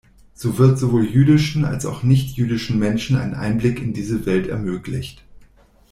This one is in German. So wird sowohl jüdischen als auch nicht-jüdischen Menschen ein Einblick in diese Welt ermöglicht.